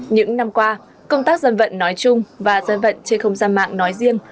những năm qua công tác dân vận nói chung và dân vận trên không gian mạng nói riêng